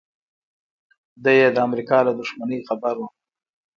دی یې د امریکا له دښمنۍ خبر و